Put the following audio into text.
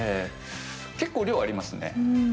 結構量ありますね。